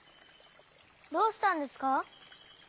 どうしたんですか？